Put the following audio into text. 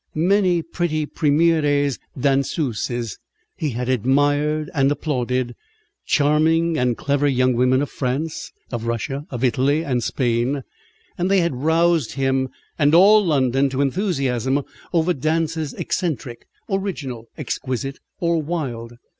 Many pretty premières danseuses he had admired and applauded, charming and clever young women of France, of Russia, of Italy, and Spain: and they had roused him and all London to enthusiasm over dances eccentric, original, exquisite, or wild.